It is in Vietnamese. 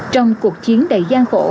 trong cuộc chiến đầy gian khổ